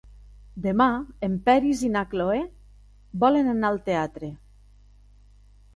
Demà en Peris i na Cloè volen anar al teatre.